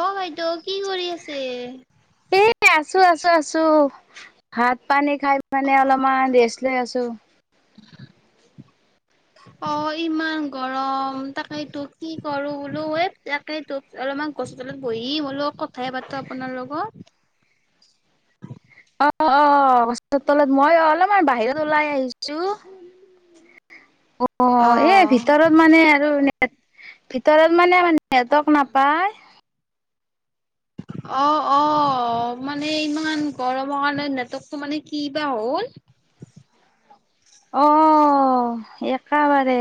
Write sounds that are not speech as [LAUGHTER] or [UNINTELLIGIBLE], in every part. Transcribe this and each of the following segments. অ', বাইদেউ কি কৰি আছে। এ আছো-আছো-আছো ভাত পানী খাই মানে অলপমান ৰেষ্ট লৈ আছো। [INAUDIBLE] অ' ইমান গৰম তাকেইতো কি কৰো বোলো এ তাকেইতো আৰু [UNINTELLIGIBLE] গছতলত বহি বোলো কথাই পাতো আপোনাৰ লগত। অ'-অ' [UNINTELLIGIBLE] তলত মই অলপমান বাহিৰত ওলাই আহিছো। [INAUDIBLE] অ', এই ভিতৰত মানে আৰু ভিতৰত মানে মা নেটৱৰ্ক নাপায়। অ'-অ' মানে ইমান গৰমৰ কাৰণে, নেটকটো মানে কি বা হ' হ'ল। অ' একেবাৰে।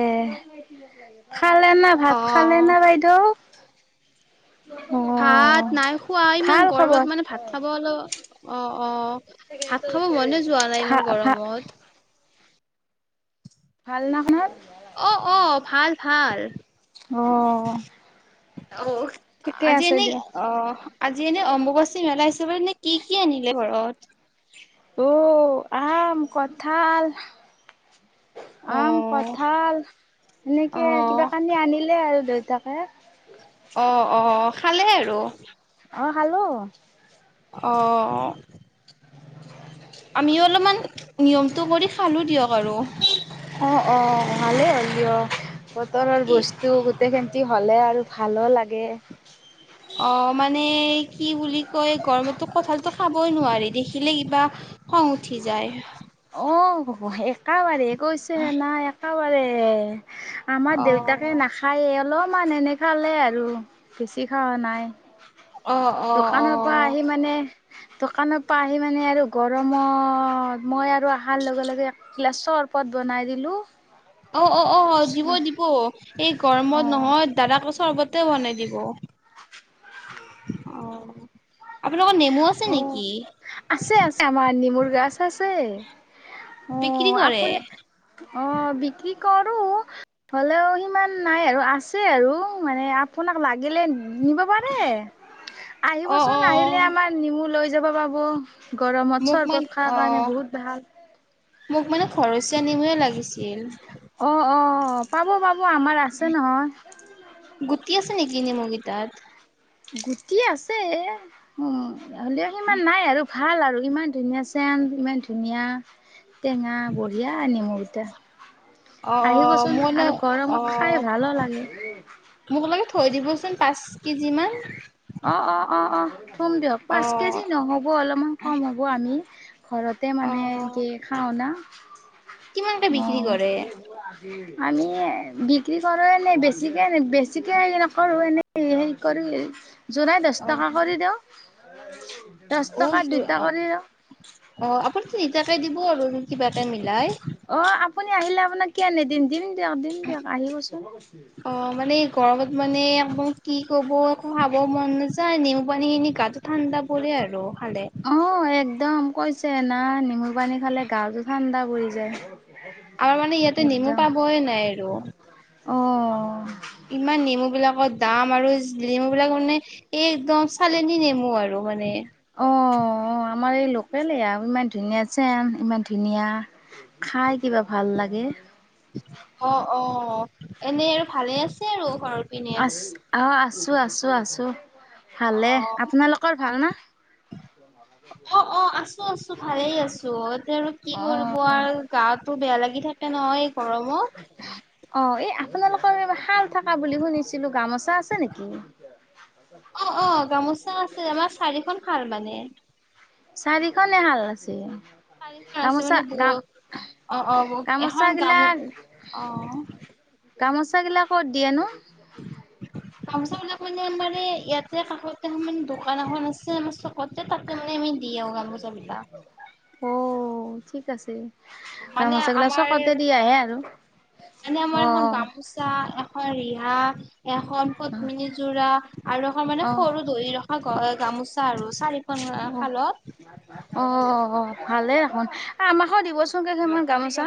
খালে না অ ভাত খালে না বাইদেউ। অ ভাত নাই খোৱা, ভাল ইমান খবৰ গৰমত মানে ভাত খাব অলপ অ'- অ' ভাত খাব মনে যোৱা নাই ভা ইমান ভা গৰমত। ভাল না আপোনাৰ। অ'- অ' ভাল- ভাল। অ'। অ' ঠিকে আজি আছে এনেই দিয়ক অ আজি এনেই অম্বুবাচী মেলা [UNINTELLIGIBLE] কি- কি আনিলে ঘৰত। অ', আম, কঁঠাল। আম অ', কঠাল এনেকে কিবা অ', কানি আনিলে আৰু দ তাকে। অ'- অ' খালে আৰু। অ' খালো। অ'। টো কৰি খালো দিয়ক আৰু। অ'-অ' ভালেই হ'ল দিয়ক বতৰৰ বস্তু গোটেই খেন্তি হ'লে আৰু ভালো লাগে। অ' মানে কি বুলি কয় গৰমতো কঠালতো খাবই নোৱাৰি দেখিলে কিবা খং উঠি যায়। অ' একা বাৰেই কৈছেহে নাই একাবাৰে। আমাৰ দেউতাকে অ', নাখায় অলপ মান এনে খালে আৰু বেছি খাৱা নাই। অ', অ', দোকানৰ পৰা অ', আহি মানে দোকানৰ পৰা আহি মানে আৰু গৰমত মই আৰু আহাৰ লগে- লগে গিলাচ চৰবত বনাই দিলো। অ' অ'- অ' দিব- দিব, এই গৰমত অ', নহয় দাদা কচ চৰ্বতে বনাই দিব। অ'। অ', আছে, আছে, আমাৰ নিমুৰ গাছ আছে। বিক্ৰী অ', কৰে আপুনি, অ', বিকি কি কৰো। হ'লেও সিমান নাই আৰু আছে আৰু মানে আপোনাক লাগিলে নিব পাৰে। অ অ আহিবচোন আহিলে আমাৰ নেমু লৈ যাব পাব। গৰমত মোক মান চৰবত খা অ কাৰণে বহুত ভাল। মোক মানে ঘৰচীয়া নিমুয়ে লাগিছিল। অ', অ', পাব, পাব, আমাৰ আছে নহয়। গুটি আছে নেকি নিমু গিটাত? গুটি আছে। উম, হ'লেও সিমান নাই আৰু ভাল আৰু ইমান ধুনীয়া চেন্ট। উম, ইমান ধুনীয়া, টেঙা, বঢ়িয়া নেমুকেইটা। অ অ আহিবচোন মোৰ ন আৰু অ গৰমত খাই ভালো লাগে। মোক লাগে থৈ দিবচোন পাঁচ কেজিমান। অ', অ', অ', অ', কম দিয়ক। অ পাঁচ কেজি নহ'ব অলপমান কম হ'ব আমি ঘৰতে অ মানে এনেকে খাওনা। কিমানকে বিক্ৰী অ', কৰে আমি বিক্ৰী কৰো এনে বেছিকে বেছিকৈ হেৰি নকৰোঁ, এনেই হেৰি কৰি জৰাই দহ অ টকা কৰি দিওঁ। দহ [UNINTELLIGIBLE] টকাত দুটা কৰি দিওঁ। অ', আপুনি নিতাকে দিব আৰু কিবা এটা মিলাই। অ', আপুনি আহিলে আপোনাক কিয় নিদিম, দিম দিয়ক, দিম দিয়ক আহিবচোন। অ মানে গৰমত মানে আকৌ কি কব, আকৌ খাব মন নাযায় নেম পানী খিনি গাটো ঠাণ্ডা পৰে আৰু হালে। অ', একদম কৈছে না, নেমুৰ পানী খালে গাতো ঠাণ্ডা পৰি যায়। আমাৰ মানে ইয়াতে নেমু একদম পাবই নাই আৰু। অ'। ইমান নেমু বিলাকত দাম আৰু নেমুবিলাক মানে, এ-একদম চালনী নেমু আৰু মানে। অ', অ', আমাৰ এই লোকেল এয়া, ইমান ধুনীয়া [UNINTELLIGIBLE] ইমান ধুনীয়া, খাই কিবা ভাল লাগে। অ', অ', এনে আৰু ভালে আছে আৰু ঘৰত? আছ, অ', আছো আছো আছো। অ ভালে, আপোনালোকৰ ভাল না? অ', অ', আছো আছো, ভালেই আছো। তে আৰু কি কৰিব অ'। আৰু গাঁৱত [UNINTELLIGIBLE] বেয়া লাগি থাকে ন এই গৰমত। অ', এই আপোনালোকৰ শাল থকা বুলি শুনিছিলো, গামোচা আছে নেকি? অ', অ', গামোচা আছে, আমাৰ চাৰিখন শাল মানে। চাৰিখনে হাল আছে? চাৰিখন আছে গামোচা মানে ব গাম অ', অ', গামোচা এখন গাম, আহ। গামোচাবিলাকত দিয়ে নো। [INAUDIBLE] গামচাবিলাক মানে আমাৰ এই, ইয়াতে কাষতে দোকান এখন আছে আমাৰ [UNINTELLIGIBLE] মানে আমি দি আৰু গামোচাবিলাক। অ', ঠিক আছে। মানে গামোচাগিলা আমাৰ, চকতে অ', দিয়াহে আৰু মানে আমাৰ এখন অ'। গামোচা [UNINTELLIGIBLE] ৰিহা এখন অ', পত্মিনী যোৰা আৰু এখন মানে অ'। সৰু ধৰি ৰখা গ-গামোচা আৰু চাৰিখন শালত অ', অ'। ভালে দেখোন, আমাকো দিবচোন কেইখনমান গামোচা।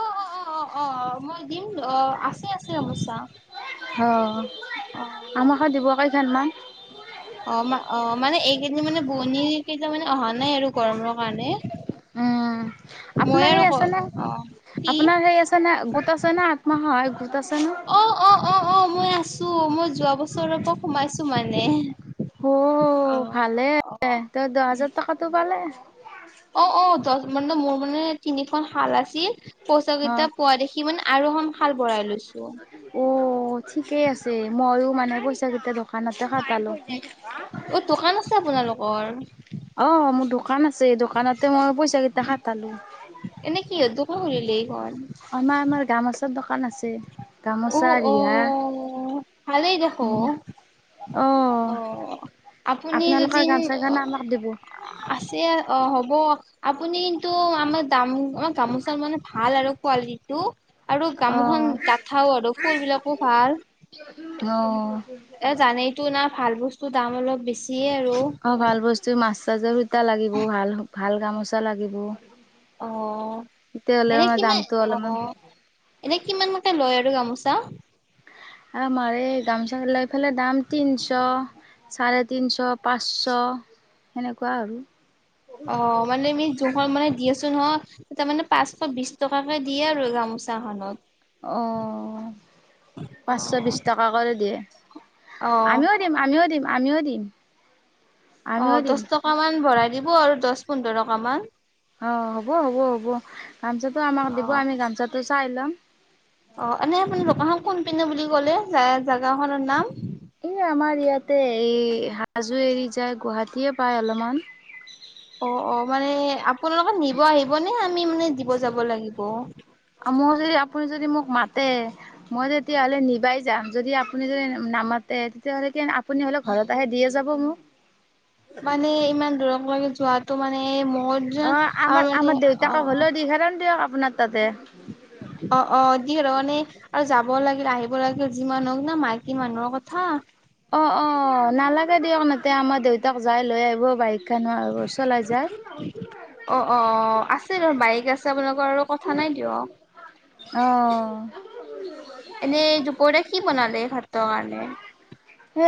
অ অ অ অ অ মই দিম, অ', আছে আছে গামোচা। অ', অ আমাকো দিব কেইখনমান। অ', ম, অক, মানে এইকেইদিন মানে বোৱনী কেইটা মানে অহা নাই আৰু গৰমৰ কাৰণে। উম, মই আপোনাৰ আৰু সেই ক আছে নে? অ কি আপোনাৰ সেই আছে নে? গোট আছে নে আত্মসহায়ক গোট? আছে নে? অ', অ', অ', অ', মই আছো। মই যোৱা বছৰৰ পৰা সোমাইছো মানে। অ', ভালে, অ ত' দহ হাজাৰ টকাটো পালে? অ', অ', দহ মান, মোৰ মানে তিনিখন শাল আছে। [UNINTELLIGIBLE] অ'। পইচাকিতা পোৱা দেখি মান আৰু এখন শাল বৰাই লৈছো। অ', ঠিকেই আছে। মইও মানে পইচা কেইটা দোকানত [UNINTELLIGIBLE] পালো, অ দোকান আছে আপোনালোকৰ অ', মোৰ দুখ দোকান আছে, দোকানতে মই পইচা কেইটা খাটালো। এনে কিহত দোকান খুলিলে এইখন আমাৰ-আমাৰ গামোচাৰ দোকান আছে। গামোচা অ', ৰিহা অ', ভালেই দেখো। উম, অ', আপুনি আপোনালোকৰ যদিন গামচাখন আমাক দিব আছে অ', হ'ব। আপুনি কিন্তু আমাৰ দাম, আমাৰ গামোচাৰ মানে ভাল আৰু কোৱালিটিটো। আৰু অ গামোখন তাঠাও আৰু ফুল বিলাকো ভাল। অ এ জানেই তো না, ভাল বস্তুৰ দাম অলপ বেছি অ', ভাল বস্তু মাছ চাজৰ সুতা লাগিব, ভাল-ভাল গামোচা লাগিব। অ, তেতিয়াহ'লে এনে আমাৰ কিমা, দামটো অলপমান অ', এনে কিমান মতে লয় আৰু গামোচা। আমাৰ এই গামোচা লৈ পেলাই দাম তিনশ। চাৰে তিনিশ, পাঁচশ সেনেকুৱা আৰু। অ', মানে আমি জোখল মানে দি আছো [UNINTELLIGIBLE] তাৰমানে পাঁচশ বিশ টকাকে দিয়ে আৰু গামোচাখনত। অ', অ পাঁচশ বিশ টকা কৰি দিয়ে। অ আমিও দিম, আমিও দিম, আমিও দিম। অ', আমিও দিম দহ টকা মান ভৰাই দিব আৰু, দহ-পোন্ধৰ টকা মান। অ', হ'ব হ'ব হ'ব, গামচাটো আমাক অ দিব আমি গামচাটো চাই ল'ম। অ', এনে আপোনাৰ দোকানখন কোন পিনে বুলি কলে, জেগা-জোগাখনৰ নাম এ আমাৰ ইয়াতে এই হাজো এৰি যায়, গুৱাহাটীয়ে পায় অলপমান। অ', অ', মানে আপোনালোকে নিব আহিব নে, আমি মানে দিব যাব লাগিব? মই যদি আপুনি যদি মোক মাতে, মই তেতিয়াহলে নিবাই যাম। যদি আপুনি যদি নামাতে, তেতিয়াহ'লে কি আপুনি হ'লেও ঘৰত আহে দিয়ে যাব মোক। মানে ইমান দূৰক লৈকে যোৱাত অ', আমাৰ-আমাৰ দেউতাকক অ হ'লেও [UNINTELLIGIBLE] দিয়ক আপোনাৰ তাতে। অ', অ', দি [UNINTELLIGIBLE] আৰু যা যাব লাগিল, আহিব লাগিল, যিমানহক না মাইকী মানুহৰ কথা। অ', অ', নালাগে দিয়ক নাতে আমাৰ দেউতাক যাই লৈ আহিব বাইক অ', অ', আছে ন বাইক আছে আপোনালোকৰ আৰু কথা নাই দিয়। অ'। এনেই দুপৰীয়া কি বনালে ভাতৰ কাৰণে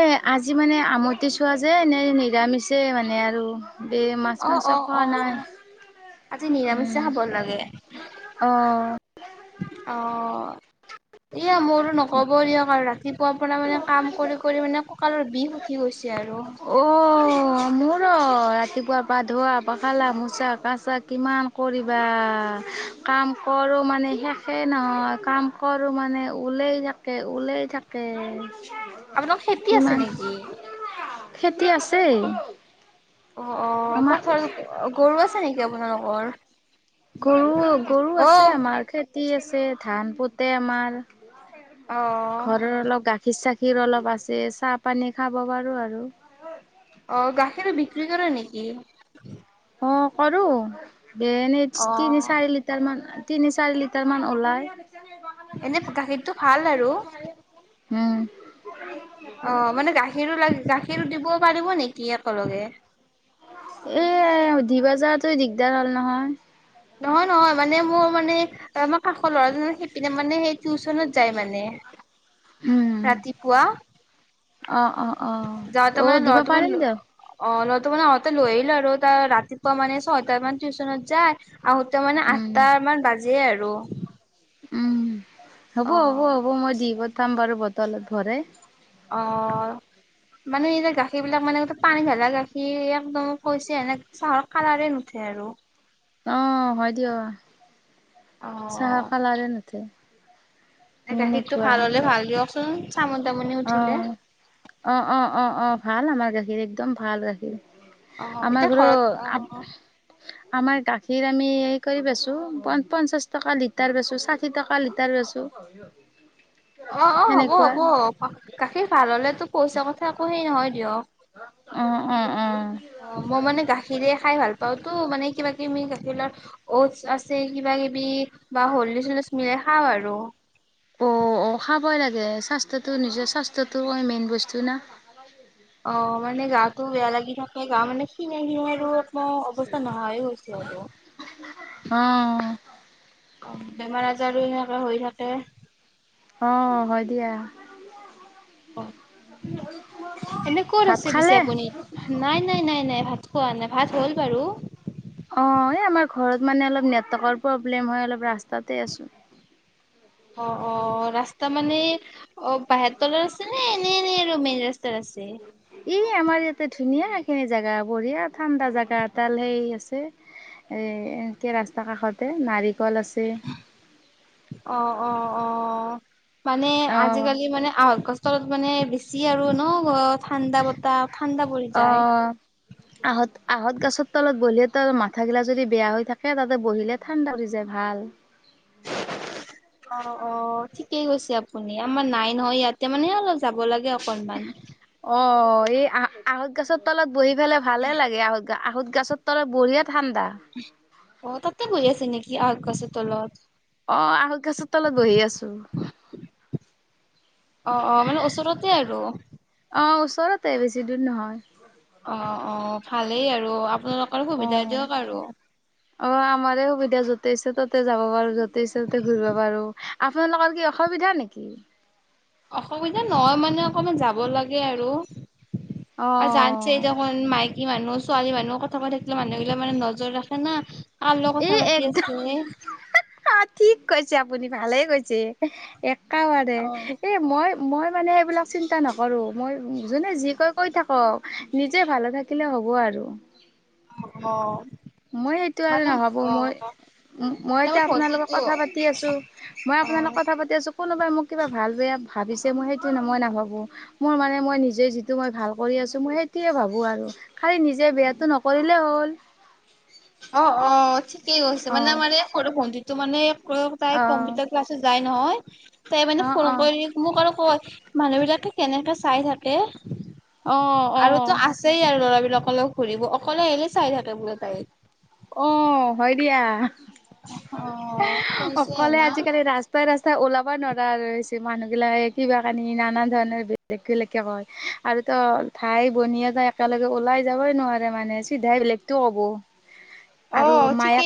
এ আজি মানে আমতি চোৱা যে নে নিৰামিষে মানে আৰু। য়ে মাছ অ অ মাংস অ খোৱা নাই। আজি নিৰামিষা উম, খাব লাগে অ'। অহ। এয়া মোৰো নকব দিয়ক আৰু ৰা ৰাতিপুৱাৰ পৰা মানে কাম কৰি কৰি মানে ককালৰ বিষ উঠি গৈছে আৰু। অ'। [INAUDIBLE] ৰাতিপুৱা পৰা ধোৱা পখালা মোচা কাচা কিমান কৰিবা কাম কৰোঁ মানে শেষে নহয় কাম কৰোঁ মানে ওলাই থাকে ওলাই থাকে আপোনালোক খেতি আছে কিমান নেকি? খেতি আছেই অ অ পথাৰত গৰু আছে নেকি আপোনালোকৰ গৰু গৰু অ আছে আমাৰ খেতি আছে ধান পোতে আমাৰ অ ঘৰৰ অলপ গাখীৰ চাখীৰ ক্ষীৰ অলপ আছে চাহ পানী খাব পাৰোঁ আৰু অ গাখীৰো বিক্ৰী কৰে নেকি অ কৰো নে অ তিনি চাৰি লিটাৰমান তিনি চাৰি লিটাৰমান ওলায় এনে গাখীৰতটো ভাল আৰু উম অ মানে গাখীৰো লাগি গাখীৰো দিব পাৰিব নেকি একেলগে এ দিব জাওতে দিগদাৰ হল নহয় নহয় নহয় মানে মোৰ মানে আমাক আকৌ ল'ৰাজনে সিপিনে মানে সেই টিউচনত যায় মানে উম, ৰাতিপুৱা অ', অ', অ', যাওঁ তাৰ অ', মানে দিব ন ত মাৰ পাৰিম দিয়ক। অ ত মানে সিহঁতে লৈ আহিলো আৰু তাৰ ৰাতিপুৱা মানে ছয়ট মান টিউচনত যায় আহোতে মানে উম, আঠটা মান বাজে আৰু উম হ'ব অ হ'ব হ'ব মই দি পঠাম বাৰু বটলত ভৰাই অ মানে এই যে গাখীৰ বিলাক মানে পানী ঢালা গাখীৰ একদম কৈছে এনে চাহৰ কালাৰে নুঠে আৰু অ' হয় দিয়া চাহ অ খালা তেন্তে গাখীৰটো ভাল হলে ভাল দিয়কচোন। চামনি তামনি উঠিলে অ', অ', অ', অ', অ', ভাল আমাৰ গাখীৰ একদম ভাল গাখীৰ। অ আমাৰ এতিয়া ঘৰো। ঘৰত অ আমাৰ গাখীৰ আমি এই কৰি বেছো প পঞ্চাশ টকা লিটাৰ বেছো ষাঠি টকা লিটাৰ বে বেছো। অ' অ' হ'ব হ'ব। গাখীৰ ভাল হলেটো পইচা কথা একো হেই নহয় দিয়ক। অ', অ', অ'। অ' মই মানে গাখীৰে খাই ভাল পাওঁ তো মানে। কিবা কিবি গাখীৰ লগত অটছ আছে কিবা কিবি বা হৰলিচ চৰলিচ মিলাই খাওঁ আৰু। অ', অ', খাবই লাগে স্বাস্থ্যটো নিজৰ স্বাস্থ্যটো মেইন বস্তু না। অ', মানে গাটো বেয়া লাগি থাকে গা মানে ক্ষিনাই মিনাই আৰু মোৰ অৱস্থা নহা হৈ গৈছে আৰু। অ', অ', বেমাৰ আজাৰো এনেকে হৈ থাকে। অ হয় দিয়া। অ', এনে কত ভাত আছে পিছে খালে? আপুনি, নাই নাই নাই নাই ভাত। খোৱা নাই ভাত হ'ল বাৰু। অ', এই আমাৰ ঘৰত মানে অলপ নেটৱৰ্কৰ প্ৰব্লেম হয় অলপ ৰাস্তাতে আছোঁ। অ', অ', ৰাস্তা মানে অ', বাহেঁৰ তলত আছে নে এনে এনে আৰু মেইন ৰাস্তা। ই আমাৰ ইয়াত এতে ধুনীয়া এইখিনি জেগা বঢ়িয়া ঠাণ্ডা জাগা এডাল সেই আছে। এই এন্‌কে ৰাস্তা কাষতে নাৰিকল আছে অ অ অ', মানে অ', আজিকালি মানে আহত গছৰ তলত মানে বেছি আৰু ন'। ঠাণ্ডা বতাহ ঠাণ্ডা পৰি যায়। অ'। আহঁত আহঁত গছৰ তলত বহিলে ত মাথাগিলা যদি বেয়া হৈ থাকে তাতে বহিলে ঠাণ্ডা পৰি যায় ভাল। অ' অ', ঠিক। ঠিকেই কৈছে আপুনি আমাৰ নাই নহয় ইয়াতে মানে অলপ যাব লাগে অকনমান। অ এই আহ আহঁত গছৰ তলত বহি পেলাই ভালে লাগে আহঁত গছৰ আহঁত গছৰ তলত বহিয়ে অ', তাতে বহি আছে নেকি আহঁত গছৰ তলত? অ', আহঁত গাছৰ তলত বহি আছোঁ। অ' অ', মানে ওচৰতে আৰু। অ', ওচৰতে বেছি দূৰ নহয়। অ', অ', ভালেই আৰু। আপোনালোকৰ সুবিধা অ', দিয়ক আৰু। অ', আমাৰে সুবিধা যত তাৰপিছত তাতে যাব পাৰো য'তে ইচ্ছা ততে ঘূৰিব পাৰো আপোনালোকৰ কি অসুবিধা নেকি? অসুবিধা নহয় মানে অকমান যাব লাগে আৰু। [UNINTELLIGIBLE] অ দে মাইক। মাইকী মানুহ ছোৱালী মানুহ কথা কৈ থাকিলে মানুহবিলাক মানে নজৰ ৰাখে না। কাৰ লগত এ কথা পাতি একদম, আছে। ঠিক কৈছে আপুনি ভালে কৈছে। একাবাৰে অ', এ মই মই মানে সেইবিলাক চিন্তা নকৰোঁ, মই যোনে যি কৈ কৈ থাকক নিজে ভালে থাকিলে হ'ল। হ'ব আৰু। অ' অ'। মই এইটো আৰু মানে নাভাবো মই। মই মানে মোৰ এতিয়া আপোনালোকক ভণ্টিটো কথা পাতি আছোঁ, মই আপোনালোক অ', কথা পাতি আছোঁ, কোনোবাই মোক কিবা ভাল বেয়া ভাবিছে মই সেইটো মই নাভাবোঁ, মোৰ মানে মই নিজে যিটো মই ভাল কৰি আছোঁ মই সেইটোৱে ভাবো আৰু খালি নিজে বেয়াটো নকৰিলেই হ'ল। অ' অ', ঠিকেই কৈছে অ মানে মানে সৰু ভণ্টিটো মানে তাই অ কম্পিউটাৰ ক্লাছত যায় নহয় তাই মানে অ ফোন কৰি মোক আৰু কয় মানুহবিলাকে কেনেকে চাই থাকে অ অ আৰু অ ত আছেই আৰু ল'ৰাবিলাক। অক ঘূৰিব অকলে আহিলে চাই থাকে বোলে তাই অ হয় দিয়া অ', কৈছে অকলে না আজিকালি ৰাস্তাই ৰাস্তাই ওলাব নোৱাৰা ৰছিল মানুহ বিলাকে কিবা কানি নানান ধৰণৰ বেলেগ বেলেগকে কয় আৰু ত ভঠাই বনিয় এটা একেলগে ওলাই যাবই নোৱাৰে মানে চিধাই বেলেগতো ক'ব আৰু অ', ঠিকেই মায়াক